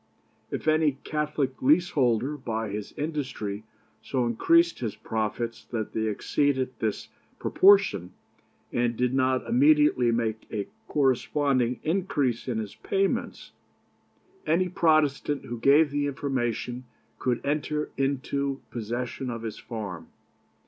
If any Catholic leaseholder by his industry so increased his profits that they exceeded this proportion, and did not immediately make a corresponding increase in his payments, any Protestant who gave the information could enter into possession of his farm.